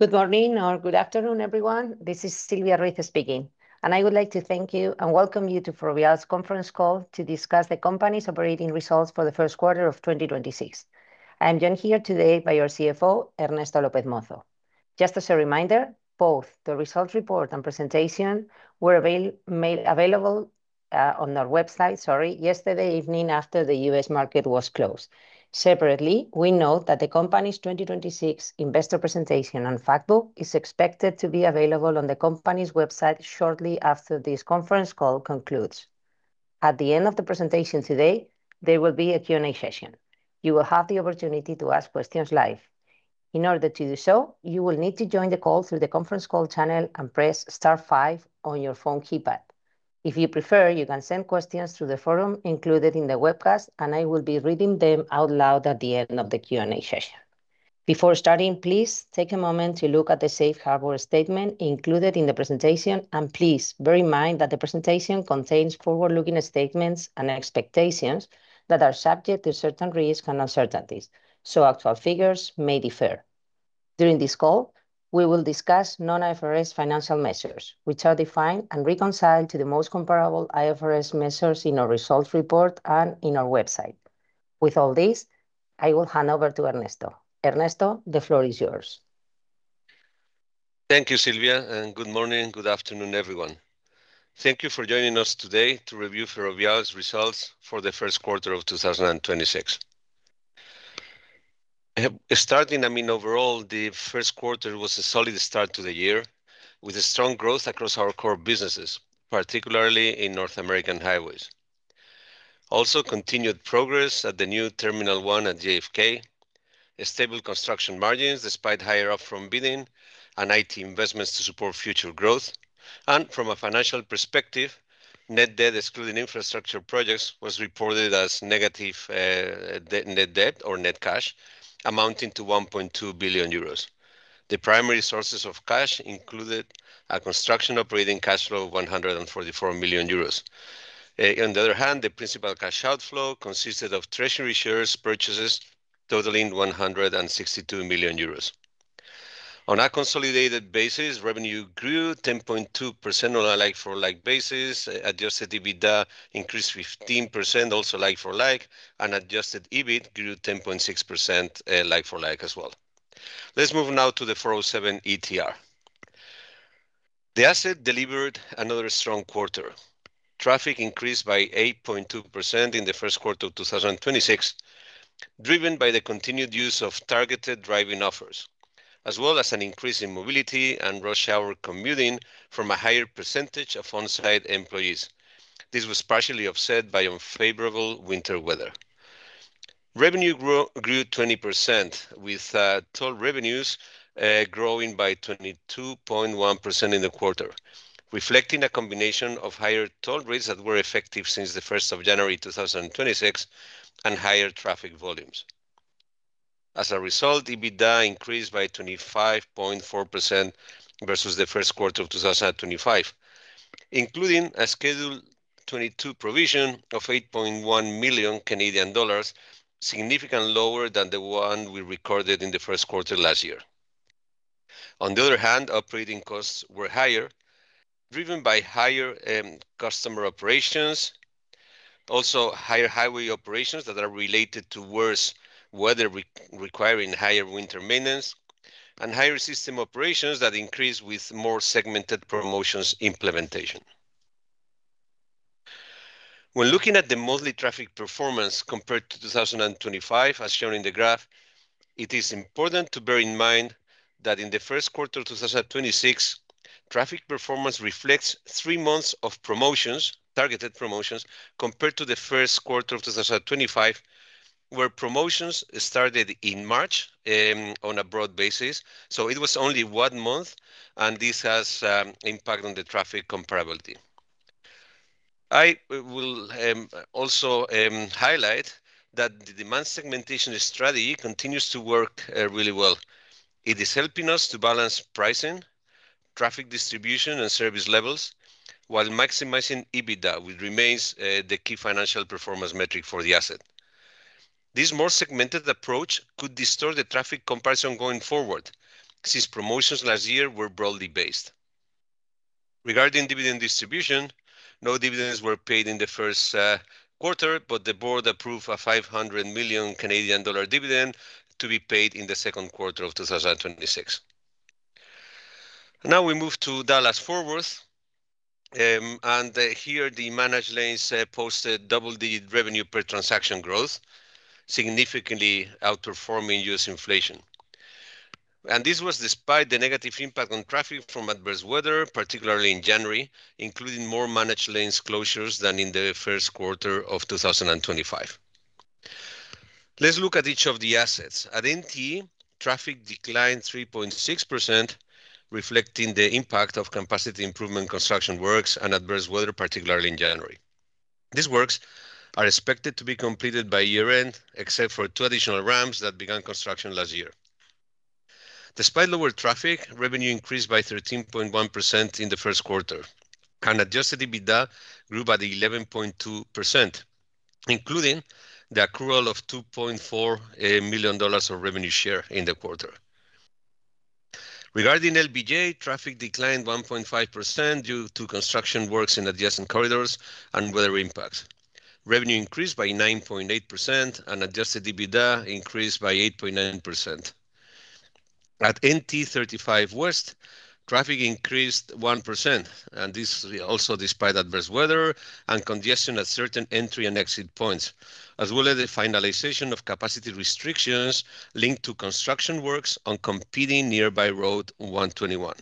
Good morning or good afternoon, everyone. This is Silvia Ruiz speaking, and I would like to thank you and welcome you to Ferrovial's Conference Call to discuss the company's operating results for the first quarter of 2026. I am joined here today by our CFO, Ernesto López Mozo. Just as a reminder, both the results report and presentation made available on our website, sorry, yesterday evening after the U.S. market was closed. Separately, we note that the company's 2026 investor presentation and fact book is expected to be available on the company's website shortly after this conference call concludes. At the end of the presentation today, there will be a Q&A session. You will have the opportunity to ask questions live. In order to do so, you will need to join the call through the conference call channel and press star five on your phone keypad. If you prefer, you can send questions through the forum included in the webcast, I will be reading them out loud at the end of the Q&A session. Before starting, please take a moment to look at the Safe Harbor statement included in the presentation, please bear in mind that the presentation contains forward-looking statements and expectations that are subject to certain risks and uncertainties, so actual figures may differ. During this call, we will discuss non-IFRS financial measures, which are defined and reconciled to the most comparable IFRS measures in our results report and in our website. With all this, I will hand over to Ernesto. Ernesto, the floor is yours. Thank you, Silvia. Good morning, good afternoon, everyone. Thank you for joining us today to review Ferrovial's results for the first quarter of 2026. Starting, I mean, overall, the first quarter was a solid start to the year with a strong growth across our core businesses, particularly in North American highways. Also continued progress at the New Terminal One at JFK. A stable construction margins despite higher up from bidding and IT investments to support future growth. From a financial perspective, net debt excluding infrastructure projects was reported as negative net debt or net cash amounting to 1.2 billion euros. The primary sources of cash included a construction operating cash flow of 144 million euros. On the other hand, the principal cash outflow consisted of treasury shares purchases totaling 162 million euros. On a consolidated basis, revenue grew 10.2% on a like-for-like basis. Adjusted EBITDA increased 15%, also like-for-like, and adjusted EBIT grew 10.6%, like-for-like as well. Let's move now to the 407 ETR. The asset delivered another strong quarter. Traffic increased by 8.2% in the first quarter of 2026, driven by the continued use of targeted driving offers, as well as an increase in mobility and rush hour commuting from a higher percentage of on-site employees. This was partially offset by unfavorable winter weather. Revenue grew 20%, with toll revenues growing by 22.1% in the quarter, reflecting a combination of higher toll rates that were effective since 1st of January 2026 and higher traffic volumes. As a result, EBITDA increased by 25.4% versus the first quarter of 2025, including a Schedule 22 provision of 8.1 million Canadian dollars, significantly lower than the one we recorded in the first quarter last year. On the other hand, operating costs were higher, driven by higher customer operations, also higher highway operations that are related to worse weather requiring higher winter maintenance and higher system operations that increased with more segmented promotions implementation. When looking at the monthly traffic performance compared to 2025, as shown in the graph, it is important to bear in mind that in the first quarter of 2026, traffic performance reflects three months of promotions, targeted promotions, compared to the first quarter of 2025, where promotions started in March on a broad basis. It was only one month, and this has impact on the traffic comparability. I will also highlight that the demand segmentation strategy continues to work really well. It is helping us to balance pricing, traffic distribution, and service levels while maximizing EBITDA, which remains the key financial performance metric for the asset. This more segmented approach could distort the traffic comparison going forward since promotions last year were broadly based. Regarding dividend distribution, no dividends were paid in the first quarter, but the board approved a 500 million Canadian dollar dividend to be paid in the second quarter of 2026. Now we move to Dallas-Fort Worth, and here the managed lanes posted double the revenue per transaction growth, significantly outperforming U.S. inflation. This was despite the negative impact on traffic from adverse weather, particularly in January, including more managed lanes closures than in the first quarter of 2025. Let's look at each of the assets. At NTE, traffic declined 3.6%, reflecting the impact of capacity improvement construction works and adverse weather, particularly in January. These works are expected to be completed by year-end, except for two additional ramps that began construction last year. Despite lower traffic, revenue increased by 13.1% in the first quarter, and adjusted EBITDA grew by 11.2%. Including the accrual of $2.4 million of revenue share in the quarter. Regarding LBJ, traffic declined 1.5% due to construction works in adjacent corridors and weather impacts. Revenue increased by 9.8% and adjusted EBITDA increased by 8.9%. At NTE 35W, traffic increased 1%. This also despite adverse weather and congestion at certain entry and exit points, as well as the finalization of capacity restrictions linked to construction works on competing nearby State Highway 121.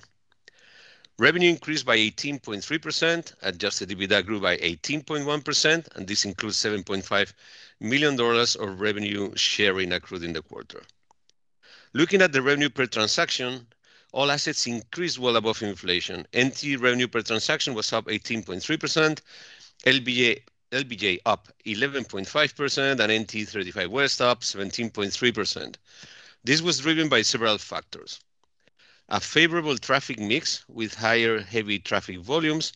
Revenue increased by 18.3%. Adjusted EBITDA grew by 18.1%, and this includes $7.5 million of revenue share accrued in the quarter. Looking at the revenue per transaction, all assets increased well above inflation. NTE revenue per transaction was up 18.3%, LBJ up 11.5%, and NTE 35W up 17.3%. This was driven by several factors. A favorable traffic mix with higher heavy traffic volumes,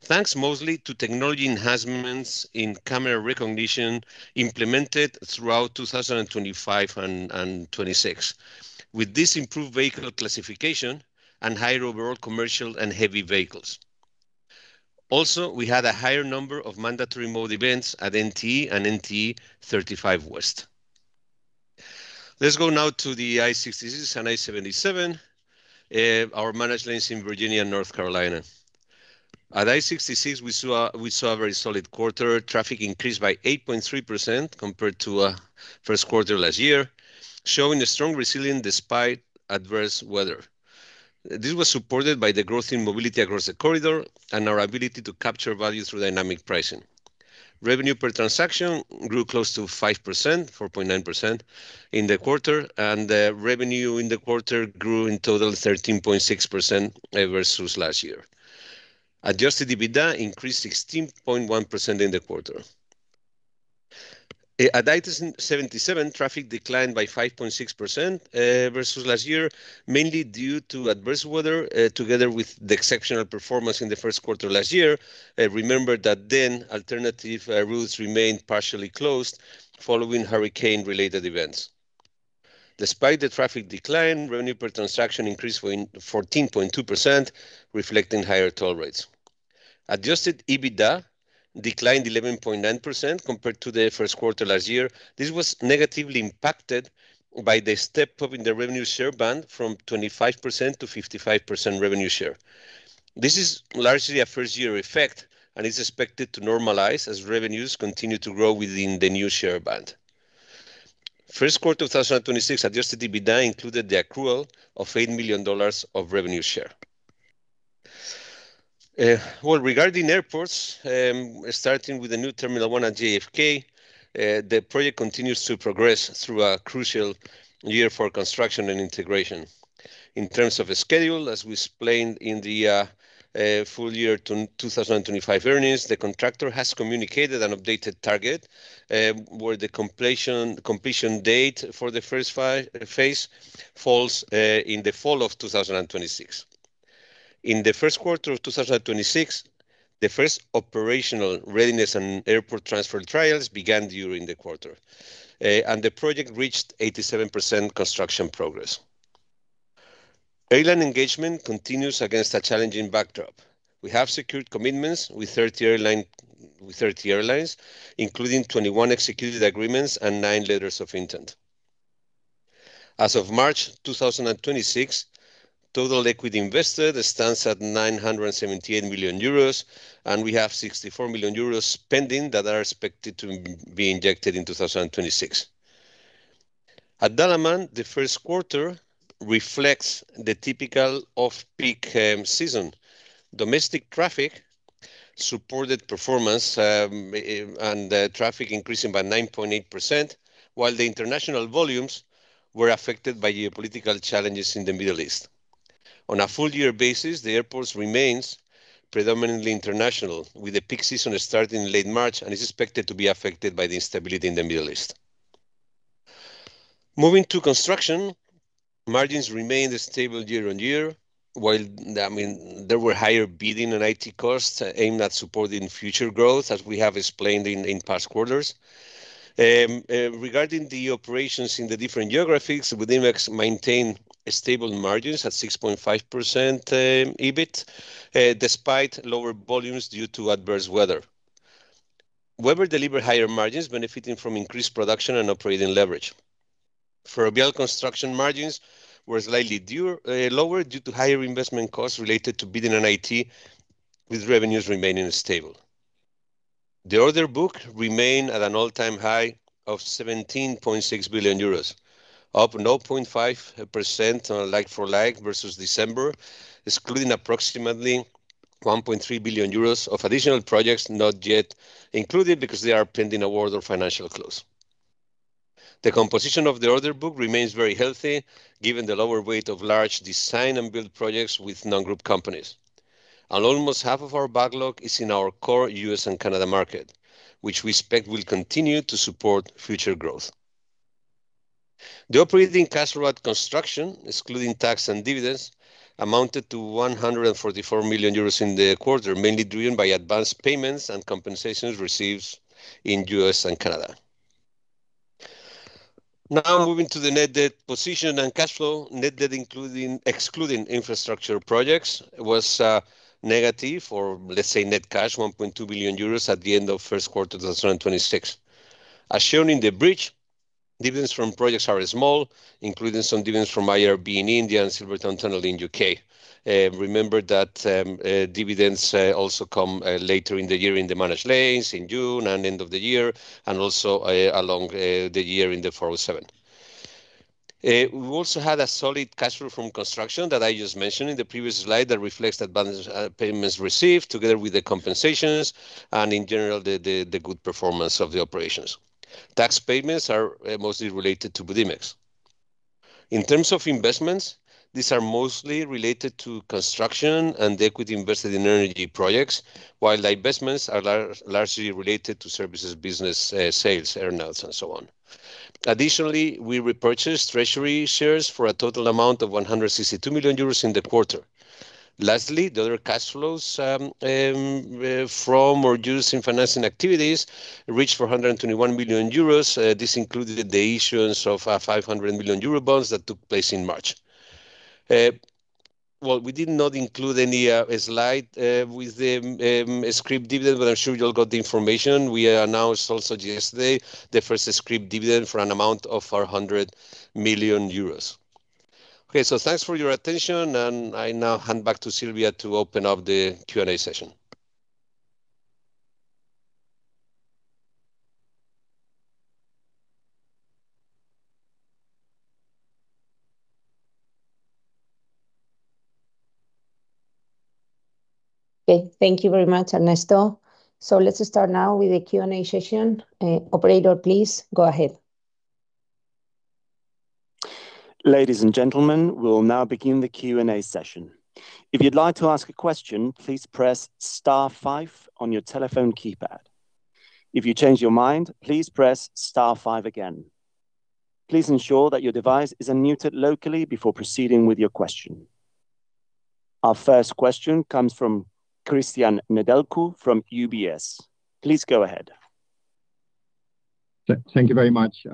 thanks mostly to technology enhancements in camera recognition implemented throughout 2025 and 2026, with this improved vehicle classification and higher overall commercial and heavy vehicles. We had a higher number of mandatory mode events at NTE and NTE 35W. Let's go now to the I-66 and I-77, our managed lanes in Virginia and North Carolina. At I-66 we saw a very solid quarter. Traffic increased by 8.3% compared to first quarter last year, showing a strong resilience despite adverse weather. This was supported by the growth in mobility across the corridor and our ability to capture value through dynamic pricing. Revenue per transaction grew close to 5%, 4.9% in the quarter, and the revenue in the quarter grew in total 13.6% versus last year. Adjusted EBITDA increased 16.1% in the quarter. At I-77, traffic declined by 5.6% versus last year, mainly due to adverse weather, together with the exceptional performance in the first quarter last year. Remember that then alternative routes remained partially closed following hurricane-related events. Despite the traffic decline, revenue per transaction increased 14.2%, reflecting higher toll rates. Adjusted EBITDA declined 11.9% compared to the first quarter last year. This was negatively impacted by the step up in the revenue share band from 25% to 55% revenue share. This is largely a first year effect and is expected to normalize as revenues continue to grow within the new share band. First quarter 2026 adjusted EBITDA included the accrual of EUR 8 million of revenue share. Well, regarding airports, starting with the New Terminal One at JFK, the project continues to progress through a crucial year for construction and integration. In terms of the schedule, as we explained in the full year 2025 earnings, the contractor has communicated an updated target, where the completion date for the first phase falls in the fall of 2026. In the first quarter of 2026, the first operational readiness and airport transfer trials began during the quarter, and the project reached 87% construction progress. Airline engagement continues against a challenging backdrop. We have secured commitments with 30 airlines, including 21 executed agreements and nine letters of intent. As of March 2026, total equity invested stands at 978 million euros, and we have 64 million euros pending that are expected to be injected in 2026. At Dalaman, the first quarter reflects the typical off-peak season. Domestic traffic supported performance, and traffic increasing by 9.8%, while the international volumes were affected by geopolitical challenges in the Middle East. On a full year basis, the airports remains predominantly international, with the peak season starting late March and is expected to be affected by the instability in the Middle East. Moving to construction, margins remained stable year on year, while, I mean, there were higher bidding and IT costs aimed at supporting future growth as we have explained in past quarters. Regarding the operations in the different geographies, Budimex maintained stable margins at 6.5% EBIT despite lower volumes due to adverse weather. Webber delivered higher margins benefiting from increased production and operating leverage. Ferrovial Construction margins were slightly lower due to higher investment costs related to bidding and IT, with revenues remaining stable. The order book remained at an all-time high of 17.6 billion euros, up 0.5% on a like-for-like versus December, excluding approximately 1.3 billion euros of additional projects not yet included because they are pending award or financial close. The composition of the order book remains very healthy given the lower weight of large design and build projects with non-group companies. Almost half of our backlog is in our core U.S. and Canada market, which we expect will continue to support future growth. The operating cash flow at construction, excluding tax and dividends, amounted to 144 million euros in the quarter, mainly driven by advanced payments and compensations received in U.S. and Canada. Moving to the net debt position and cash flow. Net debt excluding infrastructure projects was negative, or let's say net cash, 1.2 billion euros at the end of first quarter 2026. As shown in the bridge, dividends from projects are small, including some dividends from IRB in India and Silvertown Tunnel in U.K. Remember that dividends also come later in the year in the managed lanes, in June and end of the year, and also along the year in the 407 ETR. We also had a solid cash flow from construction that I just mentioned in the previous slide that reflects advance payments received together with the compensations and, in general, the good performance of the operations. Tax payments are mostly related to Budimex. In terms of investments, these are mostly related to construction and equity invested in energy projects, while divestments are largely related to services, business sales, earnouts, and so on. Additionally, we repurchased treasury shares for a total amount of 162 million euros in the quarter. Lastly, the other cash flows from or used in financing activities reached 421 million euros. This included the issuance of 500 million euro bonds that took place in March. Well, we did not include any slide with the scrip dividend, but I'm sure you all got the information. We announced also yesterday the first scrip dividend for an amount of 400 million euros. Okay. Thanks for your attention, and I now hand back to Silvia to open up the Q&A session. Okay. Thank you very much, Ernesto. Let's start now with the Q&A session. Operator, please go ahead. Ladies and gentlemen, we'll now begin the Q&A session. If you'd like to ask a question, please press star five on your telephone keypad. If you change your mind, please press star five again. Please ensure that your device is unmuted locally before proceeding with your question. Our first question comes from Cristian Nedelcu from UBS. Please go ahead. Thank you very much.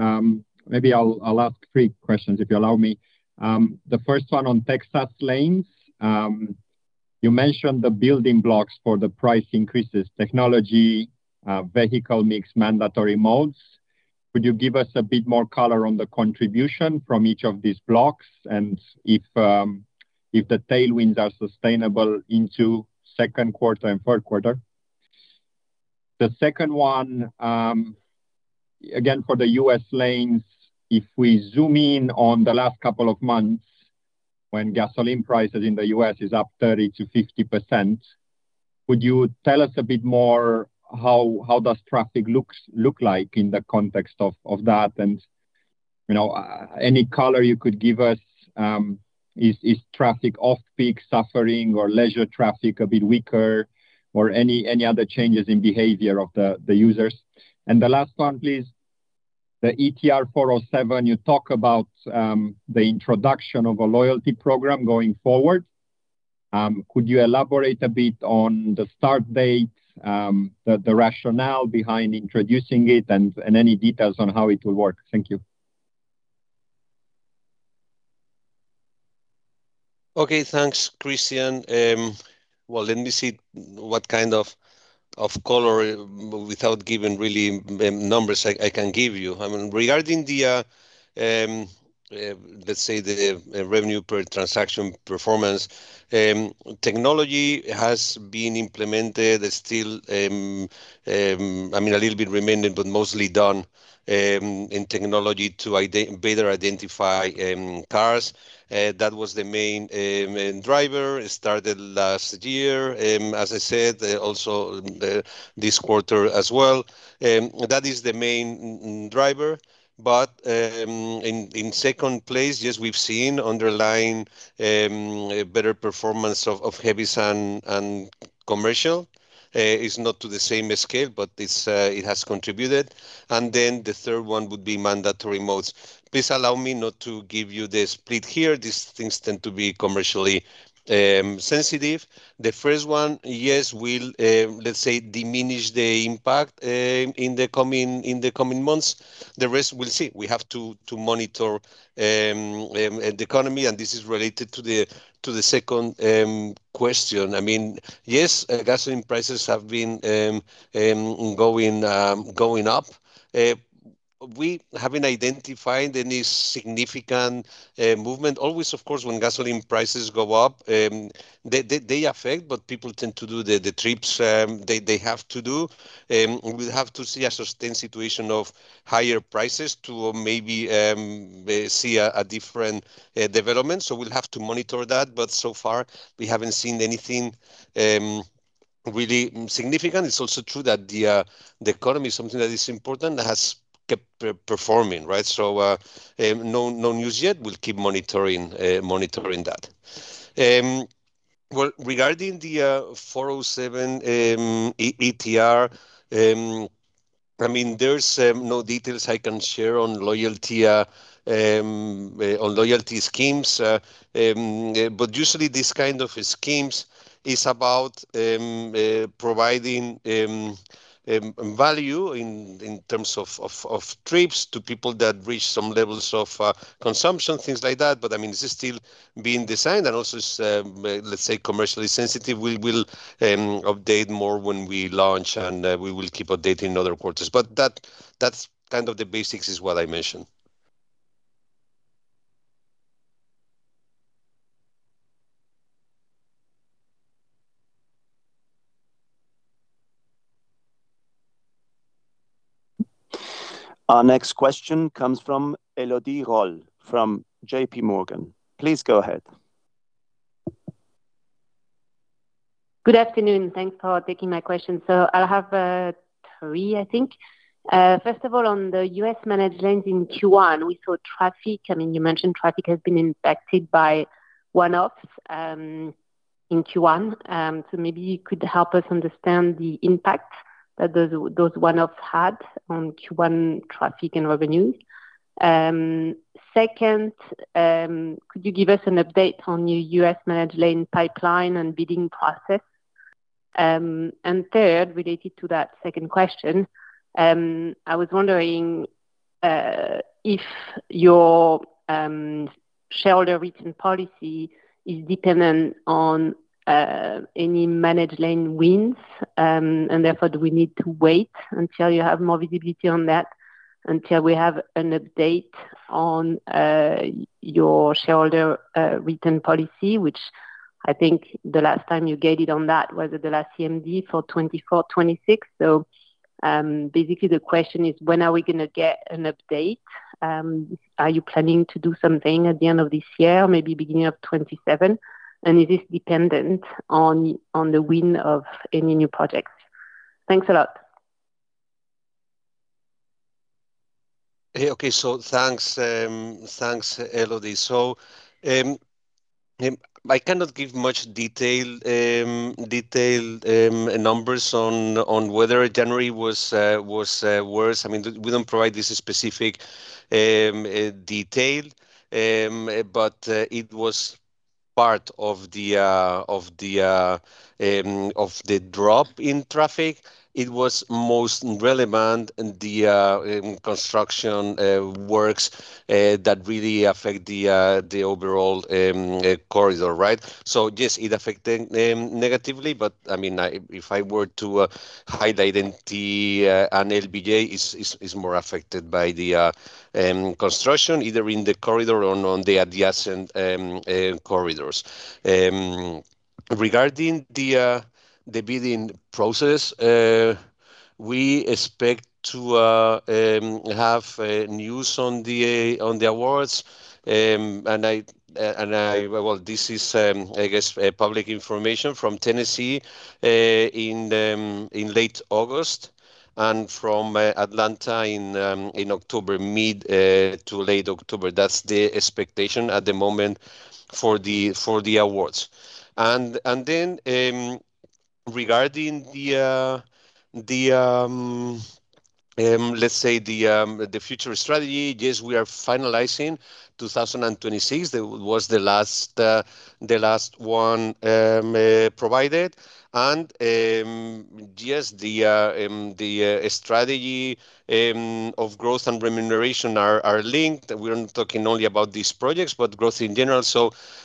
Maybe I'll ask three questions, if you allow me. The first one on Texas lanes. You mentioned the building blocks for the price increases: technology, vehicle mix, mandatory modes. Could you give us a bit more color on the contribution from each of these blocks? If the tailwinds are sustainable into second quarter and third quarter? The second one, again, for the U.S. lanes, if we zoom in on the last couple of months when gasoline prices in the U.S. is up 30%-50%, would you tell us a bit more how does traffic look like in the context of that? You know, any color you could give us, is traffic off-peak suffering or leisure traffic a bit weaker or any other changes in behavior of the users? The last one, please. The ETR 407, you talk about, the introduction of a loyalty program going forward. Could you elaborate a bit on the start date, the rationale behind introducing it, and any details on how it will work? Thank you. Okay. Thanks, Cristian. Well, let me see what kind of color, without giving really numbers, I can give you. I mean, regarding the revenue per transaction performance, technology has been implemented. There's still, I mean, a little bit remaining, but mostly done in technology to better identify cars. That was the main driver. It started last year, as I said, also this quarter as well. That is the main driver. In second place, yes, we've seen underlying better performance of heavies and commercial. It's not to the same scale, but it has contributed. The third one would be mandatory modes. Please allow me not to give you the split here. These things tend to be commercially sensitive. The first one, yes, will, let's say, diminish the impact in the coming months. The rest we'll see. We have to monitor the economy. This is related to the second question. I mean, yes, gasoline prices have been going up. We haven't identified any significant movement. Always, of course, when gasoline prices go up, they affect, but people tend to do the trips they have to do. We'll have to see a sustained situation of higher prices to maybe see a different development. We'll have to monitor that. So far, we haven't seen anything really significant. It's also true that the economy is something that is important, that has kept performing, right? No, no news yet. We'll keep monitoring that. Well, regarding the 407 ETR, I mean, there's no details I can share on loyalty schemes. Usually these kind of schemes is about providing value in terms of trips to people that reach some levels of consumption, things like that. I mean, this is still being designed and also is, let's say commercially sensitive. We will update more when we launch, we will keep updating other quarters. That's kind of the basics is what I mentioned. Our next question comes from Elodie Rall from JPMorgan. Please go ahead. Good afternoon. Thanks for taking my question. I'll have three, I think. First of all, on the U.S. managed lanes in Q1, we saw traffic. I mean, you mentioned traffic has been impacted by one-offs in Q1. Maybe you could help us understand the impact that those one-offs had on Q1 traffic and revenue. Second, could you give us an update on your U.S. managed lane pipeline and bidding process? Third, related to that second question, I was wondering if your shareholder return policy is dependent on any managed lane wins, and therefore do we need to wait until you have more visibility on that until we have an update on your shareholder return policy, which I think the last time you guided on that was at the last CMD for 2024, 2026. Basically the question is when are we gonna get an update? Are you planning to do something at the end of this year, maybe beginning of 2027? Is this dependent on the win of any new projects? Thanks a lot. Thanks, Elodie. I cannot give much detail numbers on whether January was worse. I mean, we don't provide this specific detail, but it was part of the drop in traffic. It was most relevant in the construction works that really affect the overall corridor, right? Yes, it affected negatively, but I mean, if I were to highlight it, LBJ is more affected by the construction, either in the corridor or on the adjacent corridors. Regarding the bidding process, we expect to have news on the awards. This is, I guess, public information from Tennessee in late August and from Atlanta in mid to late October. That's the expectation at the moment for the awards. Regarding the future strategy, yes, we are finalizing 2026. That was the last, the last one provided. The strategy of growth and remuneration are linked. We're not talking only about these projects, but growth in general.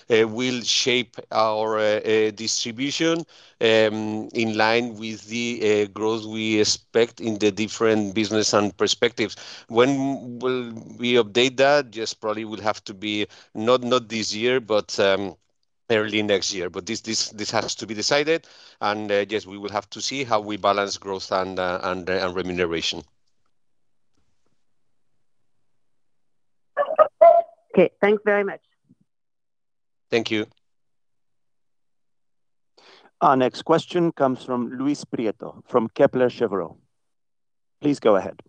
We'll shape our distribution in line with the growth we expect in the different business and perspectives. When will we update that? Just probably will have to be not this year, but early next year. This has to be decided. Yes, we will have to see how we balance growth and remuneration. Okay. Thanks very much. Thank you. Our next question comes from Luis Prieto from Kepler Cheuvreux. Please go ahead.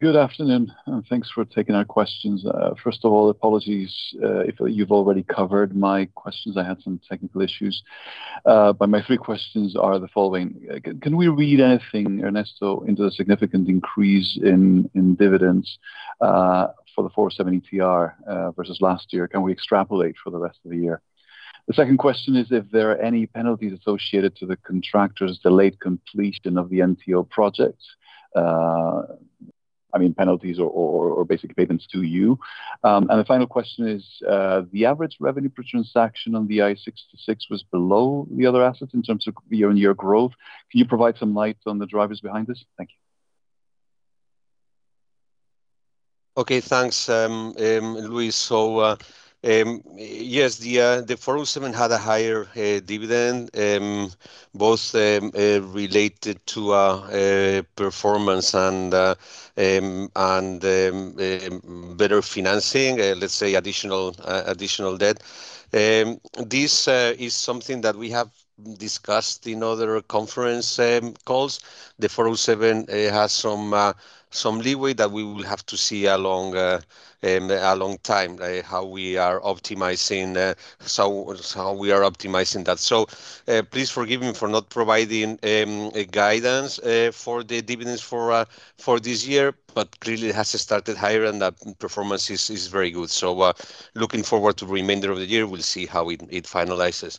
Good afternoon, and thanks for taking our questions. First of all, apologies, if you've already covered my questions. I had some technical issues. My three questions are the following. Can we read anything, Ernesto, into the significant increase in dividends for the 407 ETR versus last year? Can we extrapolate for the rest of the year? The second question is if there are any penalties associated to the contractors' delayed completion of the NTO project. I mean, penalties or basically payments to you. The final question is, the average revenue per transaction on the I-66 was below the other assets in terms of year-on-year growth. Can you provide some light on the drivers behind this? Thank you. Okay. Thanks, Luis. Yes, the 407 ETR had a higher dividend, both related to performance and better financing, let's say additional debt. This is something that we have discussed in other conference calls. The 407 ETR has some leeway that we will have to see along a long time how we are optimizing that. Please forgive me for not providing a guidance for the dividends for this year, but clearly it has started higher and the performance is very good. Looking forward to the remainder of the year, we'll see how it finalizes.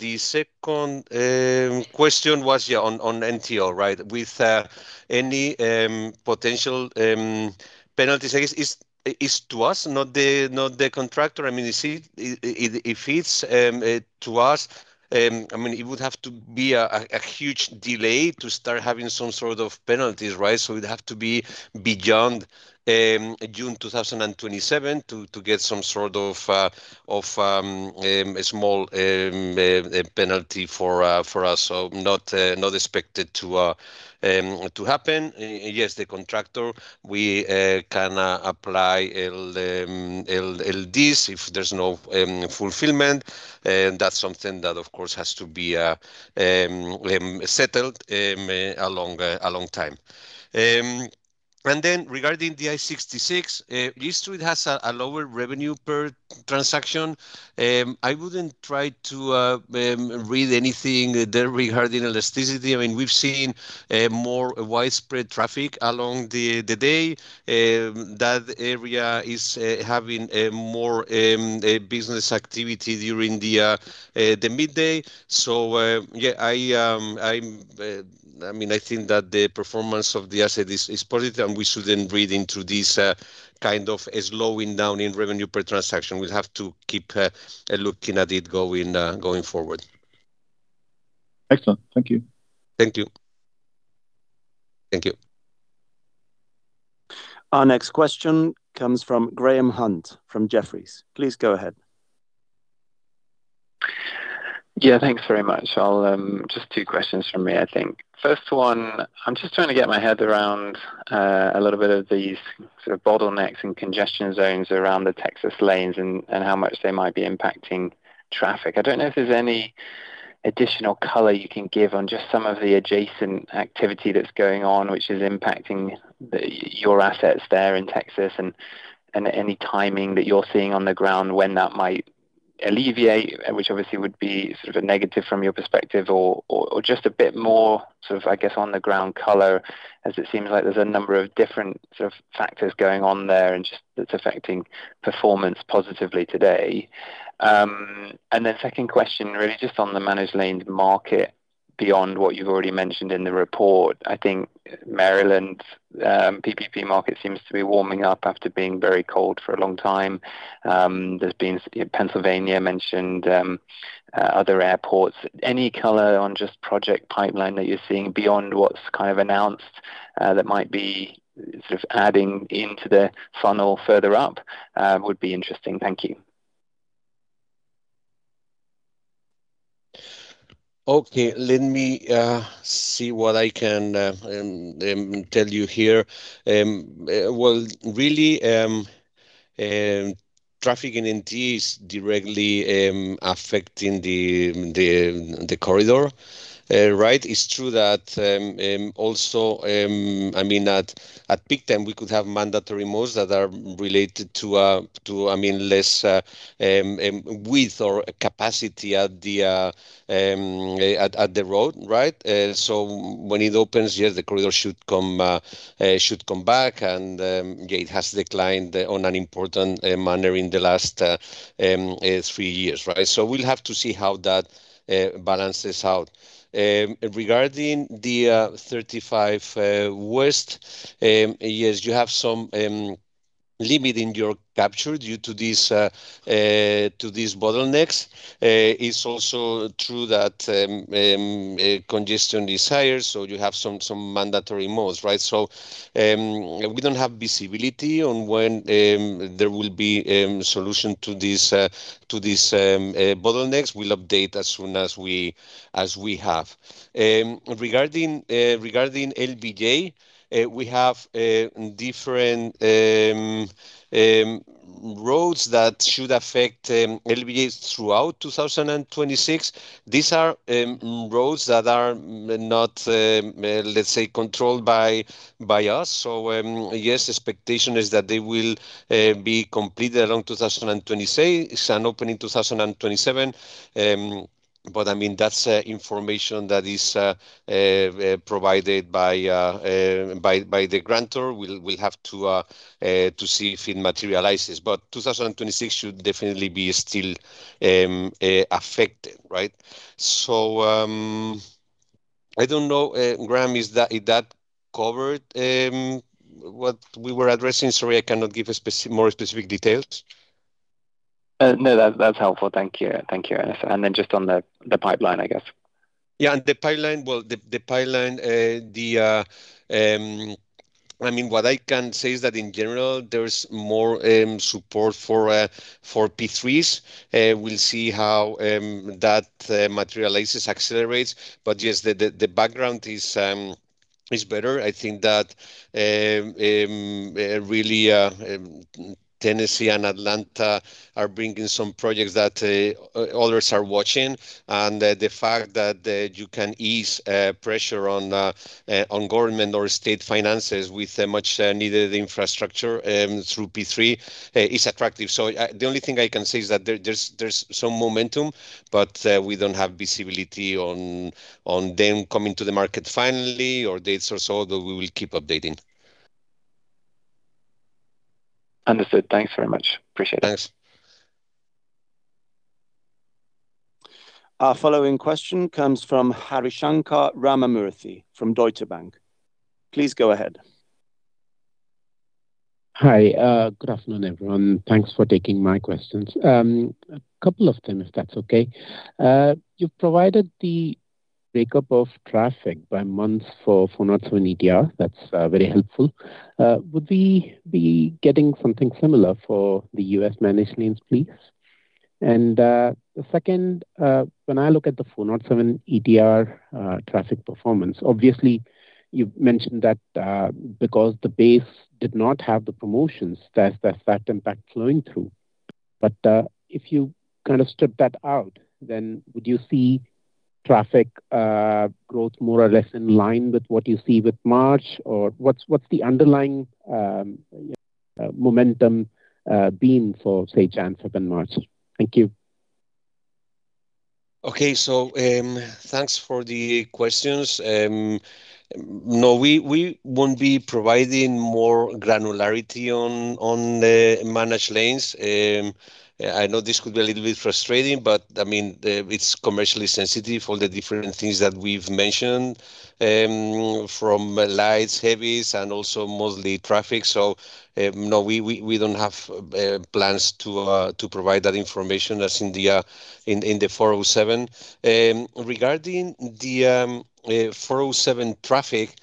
The second question was on NTO, right? With any potential penalties, I guess, is to us, not the, not the contractor. I mean, you see, if it's to us, I mean, it would have to be a huge delay to start having some sort of penalties, right? So it'd have to be beyond June 2027 to get some sort of a small penalty for us. Not expected to happen. Yes, the contractor, we can apply LDs if there's no fulfillment. And that's something that, of course, has to be settled a long time. Regarding the I-66, this route has a lower revenue per transaction. I wouldn't try to read anything there regarding elasticity. I mean, we've seen more widespread traffic along the day. That area is having more business activity during the midday. Yeah, I'm, I mean, I think that the performance of the asset is positive, and we shouldn't read into this kind of slowing down in revenue per transaction. We'll have to keep looking at it going forward. Excellent. Thank you. Thank you. Thank you. Our next question comes from Graham Hunt from Jefferies. Please go ahead. Yeah, thanks very much. I'll just two questions from me, I think. First one, I'm just trying to get my head around a little bit of these sort of bottlenecks and congestion zones around the Texas lanes and how much they might be impacting traffic. I don't know if there's any additional color you can give on just some of the adjacent activity that's going on, which is impacting your assets there in Texas and any timing that you're seeing on the ground when that might alleviate, which obviously would be sort of a negative from your perspective or just a bit more sort of, I guess, on the ground color as it seems like there's a number of different sort of factors going on there and just that's affecting performance positively today? Second question really just on the managed lanes market beyond what you've already mentioned in the report. I think Maryland, P3 market seems to be warming up after being very cold for a long time. There's been Pennsylvania mentioned, other airports. Any color on just project pipeline that you're seeing beyond what's kind of announced, that might be sort of adding into the funnel further up, would be interesting. Thank you. Okay, let me see what I can tell you here. Well, really, traffic in NTE is directly affecting the corridor. Right? It's true that also, I mean, at peak time, we could have mandatory modes that are related to, I mean, less width or capacity at the road, right? When it opens, yes, the corridor should come back and, yeah, it has declined on an important manner in the last three years, right? We'll have to see how that balances out. Regarding the 35W, yes, you have some limit in your capture due to these bottlenecks. It's also true that congestion is higher, you have some mandatory modes, right? We don't have visibility on when there will be solution to this bottlenecks. We'll update as soon as we have. Regarding LBJ, we have different roads that should affect LBJ throughout 2026. These are roads that are not, let's say, controlled by us. Yes, expectation is that they will be completed around 2026 and open in 2027. I mean, that's information that is provided by the grantor. We'll have to see if it materializes. 2026 should definitely be still affected, right? I don't know, Graham, is that covered what we were addressing? Sorry, I cannot give more specific details. No, that's helpful. Thank you. Thank you, Ernesto. Just on the pipeline, I guess. The pipeline, well, the pipeline, I mean, what I can say is that in general, there's more support for P3s. We'll see how that materializes, accelerates. Yes, the background is better. I think that really Tennessee and Atlanta are bringing some projects that others are watching. The fact that you can ease pressure on government or state finances with a much needed infrastructure through P3 is attractive. The only thing I can say is that there's some momentum, but we don't have visibility on them coming to the market finally or dates or so, but we will keep updating. Understood. Thanks very much. Appreciate it. Thanks. Our following question comes from Harishankar Ramamoorthy from Deutsche Bank. Please go ahead. Hi. Good afternoon, everyone. Thanks for taking my questions. A couple of them, if that's okay. You've provided the breakup of traffic by months for 407 ETR. That's very helpful. Would we be getting something similar for the U.S. managed lanes, please? The second, when I look at the 407 ETR traffic performance, obviously you've mentioned that because the base did not have the promotions, there's that fact impact flowing through. If you kind of strip that out, then would you see traffic growth more or less in line with what you see with March? Or what's the underlying momentum been for, say, January, February, and March? Thank you. Okay. Thanks for the questions. No, we won't be providing more granularity on the managed lanes. I know this could be a little bit frustrating, but it's commercially sensitive for the different things that we've mentioned, from lights, heavies, and also mostly traffic. No, we don't have plans to provide that information as in the 407 ETR. Regarding the 407 ETR traffic,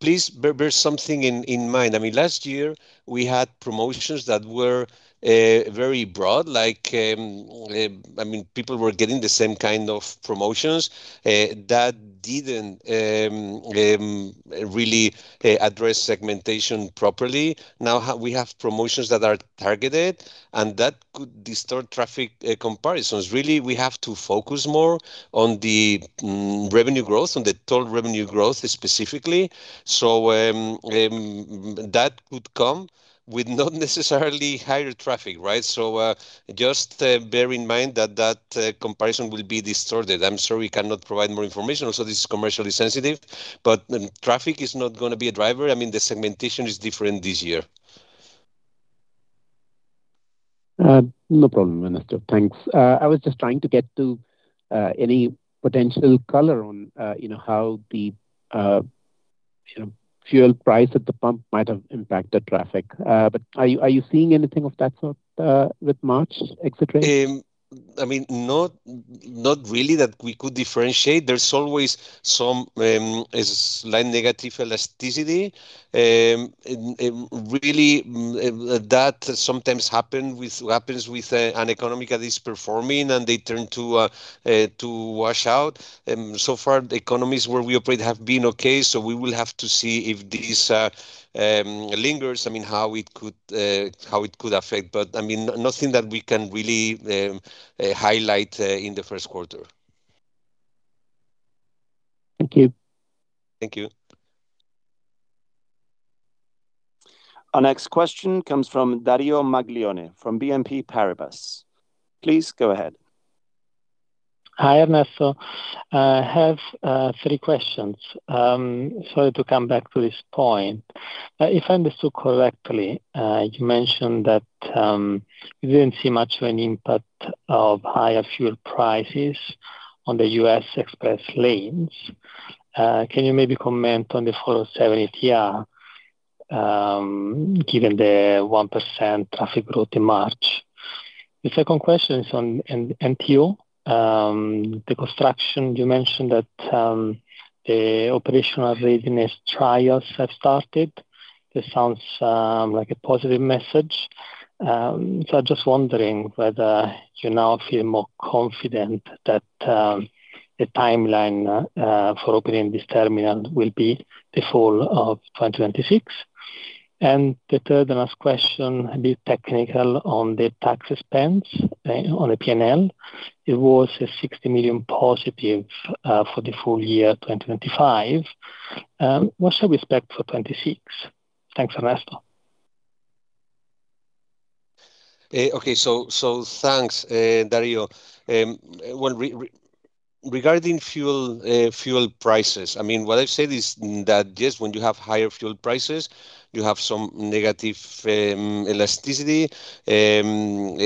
please bear something in mind. Last year we had promotions that were very broad. People were getting the same kind of promotions that didn't really address segmentation properly. Now we have promotions that are targeted, and that could distort traffic comparisons. We have to focus more on the revenue growth, on the total revenue growth specifically. That could come with not necessarily higher traffic, right? Just bear in mind that that comparison will be distorted. I am sure we cannot provide more information. This is commercially sensitive, traffic is not going to be a driver. I mean, the segmentation is different this year. No problem, Ernesto. Thanks. I was just trying to get to any potential color on, you know, how the, you know, fuel price at the pump might have impacted traffic. Are you seeing anything of that sort with March exit rates? I mean, not really that we could differentiate. There's always some slight negative elasticity. Really, that sometimes happens with an economy that is performing, and they turn to to wash out. The economies where we operate have been okay, so we will have to see if this lingers. I mean, how it could how it could affect. I mean, nothing that we can really highlight in the first quarter. Thank you. Thank you. Our next question comes from Dario Maglione, from BNP Paribas. Please go ahead. Hi, Ernesto. I have three questions. To come back to this point, if I understood correctly, you mentioned that you didn't see much of an impact of higher fuel prices on the U.S. express lanes. Can you maybe comment on the 407 ETR, given the 1% traffic growth in March? The second question is on NTO. The construction, you mentioned that the operational readiness trials have started. This sounds like a positive message. I'm just wondering whether you now feel more confident that the timeline for opening this terminal will be the fall of 2026. The third and last question, a bit technical on the tax expense on the P&L. It was a 60 million positive for the full year 2025. What's your respect for 2026? Thanks, Ernesto. Okay. Thanks, Dario. Regarding fuel prices, what I've said is that, yes, when you have higher fuel prices, you have some negative elasticity. In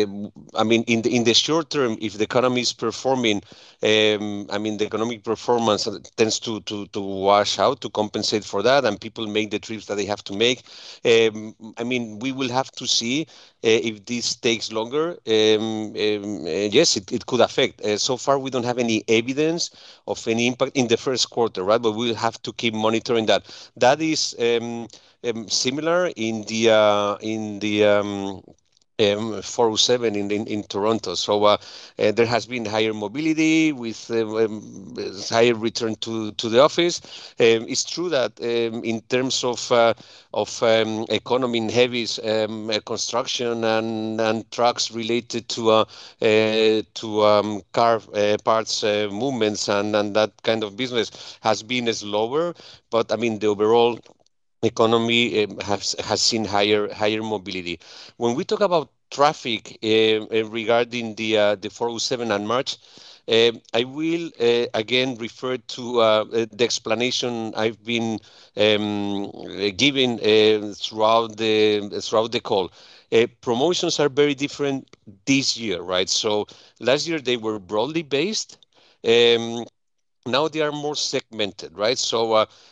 the short term, if the economy is performing, the economic performance tends to wash out to compensate for that, and people make the trips that they have to make. We will have to see if this takes longer. Yes, it could affect. So far, we don't have any evidence of any impact in the first quarter, right? We'll have to keep monitoring that. That is similar in the 407 ETR in Toronto. There has been higher mobility with higher return to the office. It's true that in terms of economy in heavies, construction and trucks related to car parts movements and that kind of business has been slower. I mean, the overall economy has seen higher mobility. When we talk about traffic regarding the 407 ETR and March, I will again refer to the explanation I've been giving throughout the call. Promotions are very different this year, right? Last year they were broadly based. Now they are more segmented, right?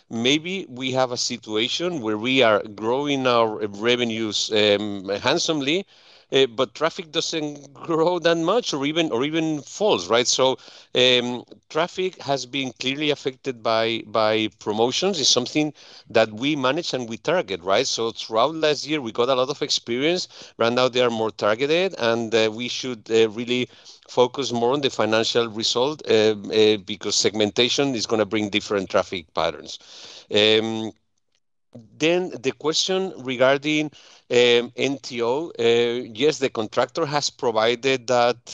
Maybe we have a situation where we are growing our revenues handsomely, but traffic doesn't grow that much or even falls, right? Traffic has been clearly affected by promotions. It's something that we manage and we target, right? Throughout last year, we got a lot of experience. Right now they are more targeted, we should really focus more on the financial result because segmentation is gonna bring different traffic patterns. The question regarding NTO. Yes, the contractor has provided that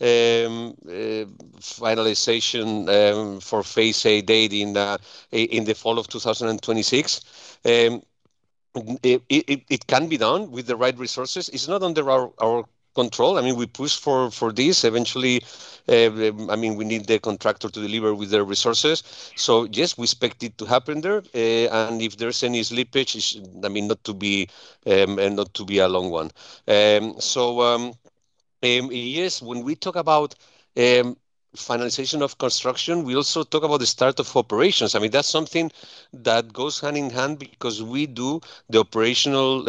finalization for phase A date in the fall of 2026. It can be done with the right resources. It's not under our control. I mean, we push for this. Eventually, I mean, we need the contractor to deliver with their resources. Yes, we expect it to happen there. If there's any slippage, it's, I mean, not to be not to be a long one. Yes, when we talk about finalization of construction, we also talk about the start of operations. I mean, that's something that goes hand in hand because we do the operational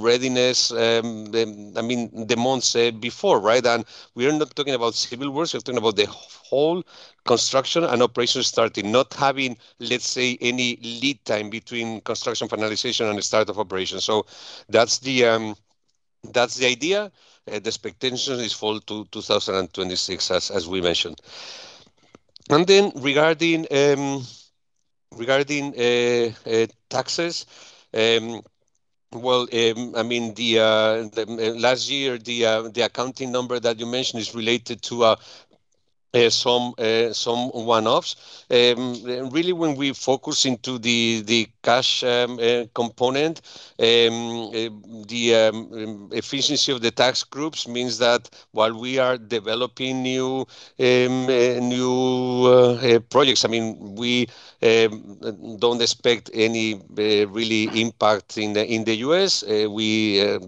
readiness, I mean, as I mentioned before, right? We're not talking about civil works, we're talking about the whole construction and operations starting. Not having, let's say, any lead time between construction finalization and the start of operations. That's the idea. The expectation is fall 2026, as we mentioned. Regarding taxes, last year, the accounting number that you mentioned is related to some one-offs. Really when we focus into the cash component, the efficiency of the tax groups means that while we are developing new projects, we don't expect any real impact in the U.S. We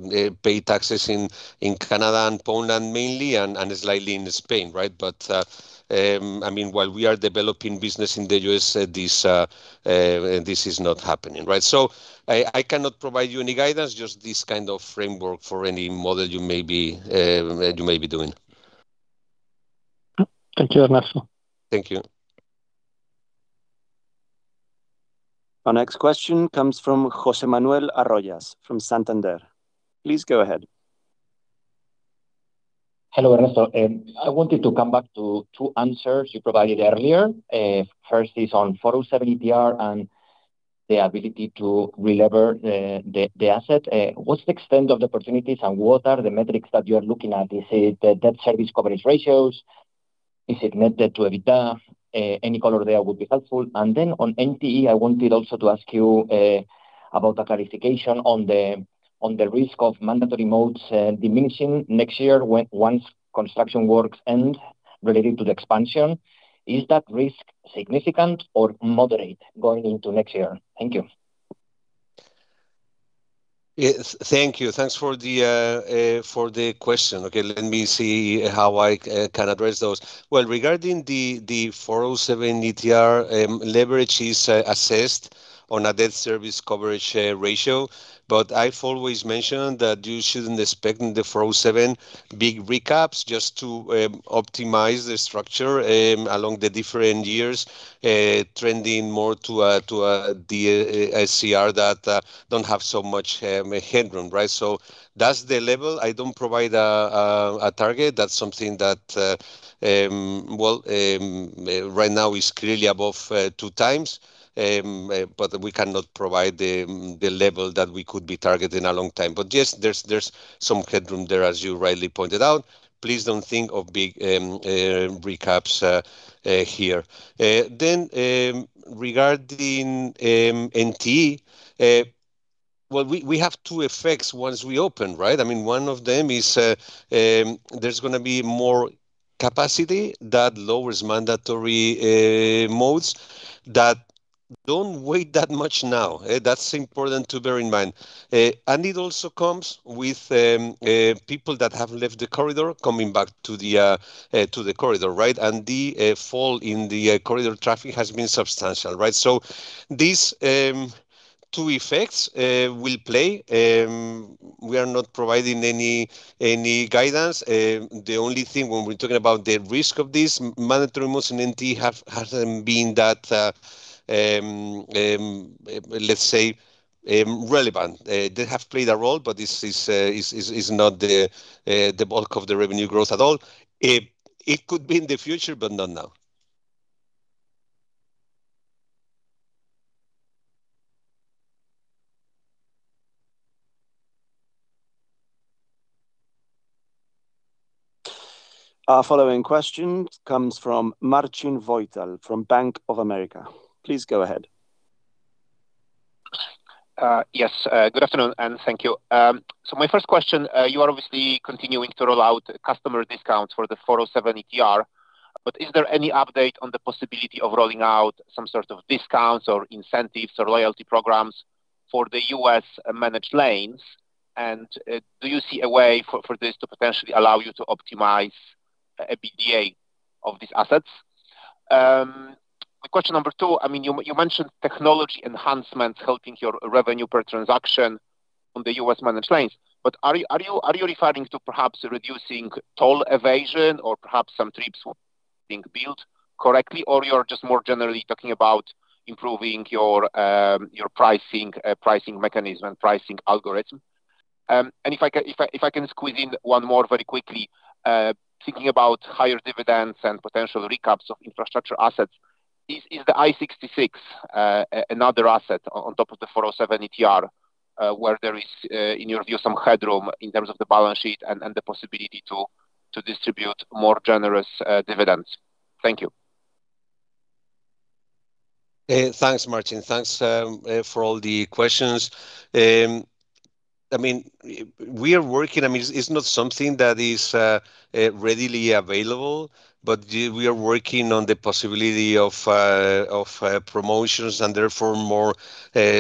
pay taxes in Canada and Poland mainly and slightly in Spain, right? While we are developing business in the U.S., this is not happening, right? I cannot provide you any guidance, just this kind of framework for any model you may be doing. Thank you, Ernesto. Thank you. Our next question comes from José Manuel Arroyas from Santander. Please go ahead. Hello, Ernesto. I wanted to come back to two answers you provided earlier. First is on 407 ETR and the ability to relever the asset. What's the extent of the opportunities, and what are the metrics that you're looking at? Is it the debt service coverage ratios? Is it net debt to EBITDA? Any color there would be helpful. On NTE, I wanted also to ask you about a clarification on the risk of mandatory modes diminishing next year once construction works end related to the expansion. Is that risk significant or moderate going into next year? Thank you. Yes. Thank you. Thanks for the question. Let me see how I can address those. Regarding the 407 ETR, leverage is assessed on a debt service coverage ratio, but I've always mentioned that you shouldn't expect the 407 big recaps just to optimize the structure along the different years, trending more to a DSCR that don't have so much headroom, right? That's the level. I don't provide a target. That's something that right now is clearly above 2x, but we cannot provide the level that we could be targeting a long time. Yes, there's some headroom there, as you rightly pointed out. Please don't think of big recaps here. Regarding NTE, well, we have two effects once we open, right? I mean, one of them is, there's gonna be more capacity that lowers mandatory modes that don't weigh that much now. That's important to bear in mind. It also comes with people that have left the corridor coming back to the corridor, right? The fall in the corridor traffic has been substantial, right? These two effects will play. We are not providing any guidance. The only thing when we're talking about the risk of this, mandatory modes in NTE hasn't been that, let's say, relevant. They have played a role, but this is not the bulk of the revenue growth at all. It could be in the future, but not now. Our following question comes from Marcin Wojtal from Bank of America. Please go ahead. Yes. Good afternoon, and thank you. My first question, you are obviously continuing to roll out customer discounts for the 407 ETR, but is there any update on the possibility of rolling out some sort of discounts or incentives or loyalty programs for the U.S. managed lanes? Do you see a way for this to potentially allow you to optimize EBITDA of these assets? Question number two, I mean, you mentioned technology enhancements helping your revenue per transaction on the U.S. managed lanes, but are you referring to perhaps reducing toll evasion or perhaps some trips being billed correctly, or you're just more generally talking about improving your pricing mechanism, pricing algorithm? If I can squeeze in one more very quickly. Thinking about higher dividends and potential recaps of infrastructure assets, is the I-66 another asset on top of the 407 ETR, where there is in your view some headroom in terms of the balance sheet and the possibility to distribute more generous dividends? Thank you. Thanks, Marcin. Thanks for all the questions. I mean, we are working. I mean, it's not something that is readily available, but we are working on the possibility of promotions and therefore more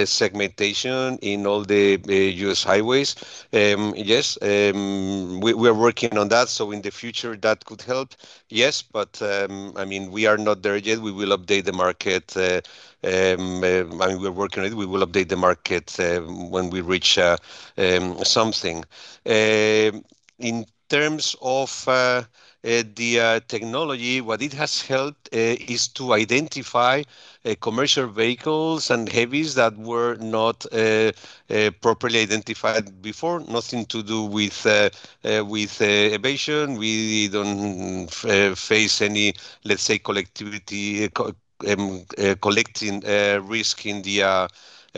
segmentation in all the U.S. highways. Yes, we are working on that, so in the future that could help. Yes, but I mean, we are not there yet. We will update the market. I mean, we are working on it. We will update the market when we reach something. In terms of the technology, what it has helped is to identify commercial vehicles and heavies that were not properly identified before. Nothing to do with evasion. We don't face any, let's say, collectivity, collecting risk in the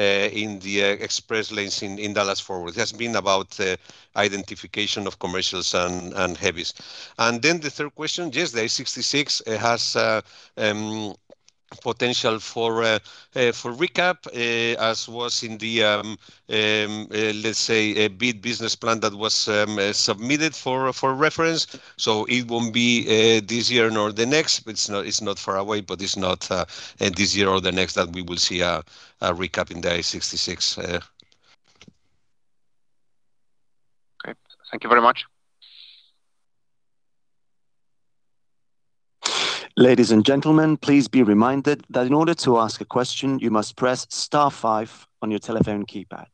express lanes in Dallas-Fort Worth. It has been about identification of commercials and heavies. The third question, yes, the I-66 has potential for recap, as was in the let's say a bid business plan that was submitted for reference. It won't be this year nor the next. It's not, it's not far away, but it's not this year or the next that we will see a recap in the I-66. Okay. Thank you very much. Ladies and gentlemen, please be reminded that in order to ask a question, you must press star five on your telephone keypad.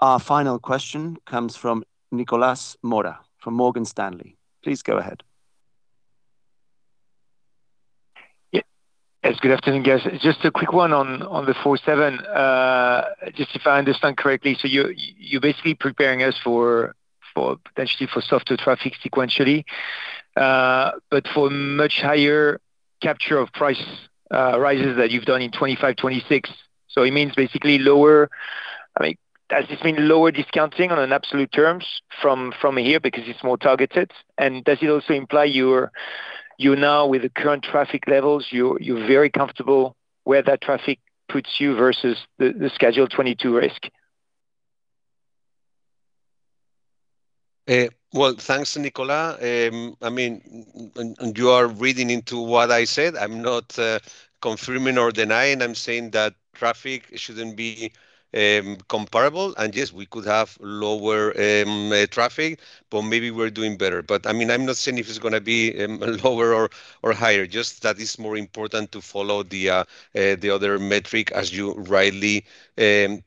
Our final question comes from Nicolas Mora from Morgan Stanley. Please go ahead. Yeah. Good afternoon, guys. Just a quick one on the 407 ETR. If I understand correctly, you're basically preparing us for potentially for softer traffic sequentially, but for much higher capture of price rises that you've done in 2025, 2026. It means basically lower. I mean, does this mean lower discounting on an absolute terms from here because it's more targeted? Does it also imply you're now with the current traffic levels, you're very comfortable where that traffic puts you versus the Schedule 22 risk? Well, thanks, Nicolas. I mean, you are reading into what I said. I'm not confirming or denying. I'm saying that traffic shouldn't be comparable. Yes, we could have lower traffic, but maybe we're doing better. I mean, I'm not saying if it's gonna be lower or higher, just that it's more important to follow the other metric as you rightly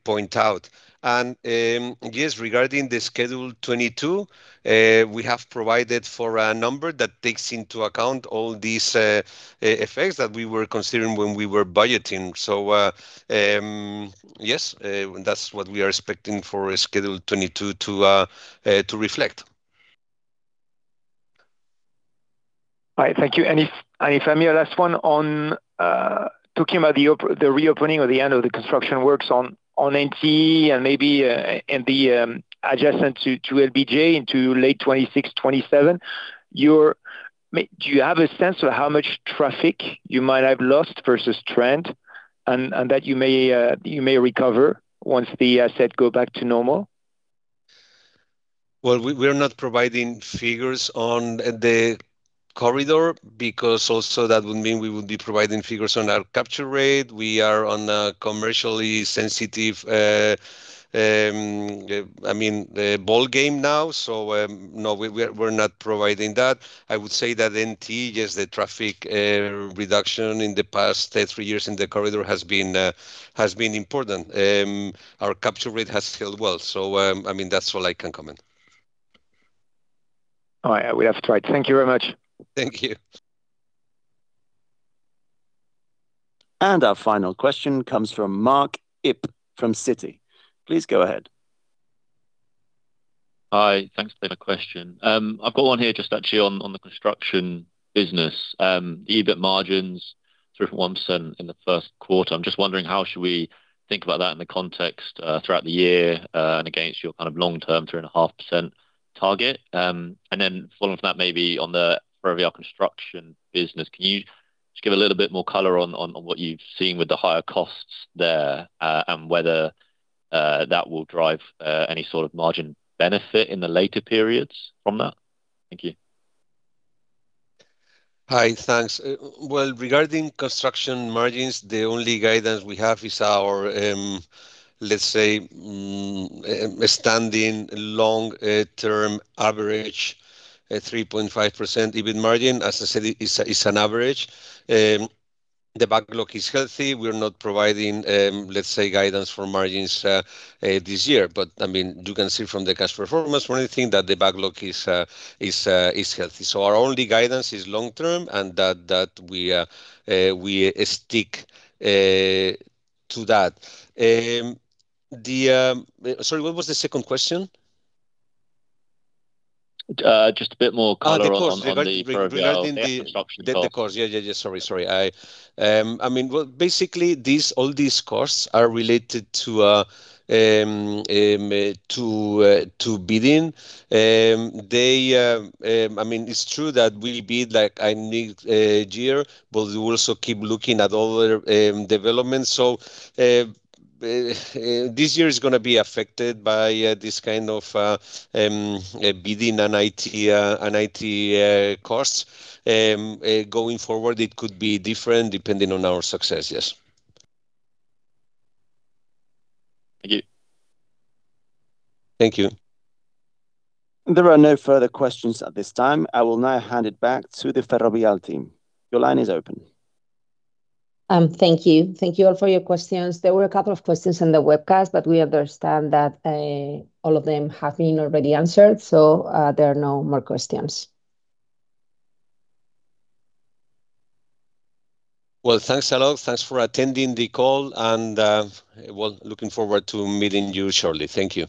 point out. Yes, regarding the Schedule 22, we have provided for a number that takes into account all these effects that we were considering when we were budgeting. Yes, that's what we are expecting for Schedule 22 to reflect. All right. Thank you. If, if I may, a last one on talking about the reopening or the end of the construction works on NTE and maybe, and the adjacent to LBJ into late 2026, 2027. Do you have a sense of how much traffic you might have lost versus trend and that you may recover once the asset go back to normal? Well, we are not providing figures on the corridor because also that would mean we would be providing figures on our capture rate. We are on a commercially sensitive, I mean, ball game now, so no, we're not providing that. I would say that NTE, yes, the traffic reduction in the past three years in the corridor has been important. Our capture rate has held well, so I mean, that's all I can comment. All right. We have to try. Thank you very much. Thank you. Our final question comes from Mark Ip from Citi. Please go ahead. Hi. Thanks for the question. I've got one here just actually on the construction business. EBIT margins through from 1% in the first quarter. I'm just wondering how should we think about that in the context throughout the year and against your kind of long-term 3.5% target. Following from that, maybe on the Ferrovial Construction business, can you just give a little bit more color on what you've seen with the higher costs there and whether that will drive any sort of margin benefit in the later periods from that? Thank you. Hi, thanks. Well, regarding construction margins, the only guidance we have is our, let's say, a standing long-term average, 3.5% EBIT margin. As I said, it's an average. The backlog is healthy. We're not providing, let's say, guidance for margins this year. I mean, you can see from the cash performance, one of the thing that the backlog is healthy. Our only guidance is long term, and that we stick to that. Sorry, what was the second question? Just a bit more color. The cost. on the Ferrovial infrastructure cost. Regarding the cost. Yeah. Sorry. I mean, well, basically all these costs are related to bidding. I mean, it's true that we bid like next year, but we also keep looking at other developments. This year is gonna be affected by this kind of bidding and IT costs. Going forward it could be different depending on our success. Yes. Thank you. Thank you. There are no further questions at this time. I will now hand it back to the Ferrovial team. Your line is open. Thank you. Thank you all for your questions. There were a couple of questions in the webcast. We understand that all of them have been already answered. There are no more questions. Well, thanks a lot. Thanks for attending the call, and, well, looking forward to meeting you shortly. Thank you.